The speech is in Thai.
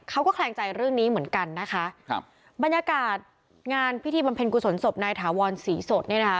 เขาก็แคลงใจเรื่องนี้เหมือนกันนะคะครับบรรยากาศงานพิธีบำเพ็ญกุศลศพนายถาวรศรีสดเนี่ยนะคะ